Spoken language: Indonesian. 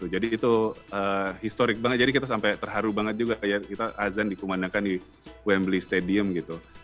jadi itu historic banget jadi kita sampai terharu banget juga ya kita azan dikemanakan di wembley stadium gitu